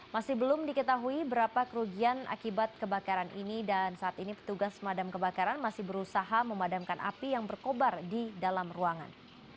masih belum diketahui berapa kerugian akibat kebakaran ini dan saat ini petugas pemadam kebakaran masih berusaha memadamkan api yang berkobar di dalam ruangan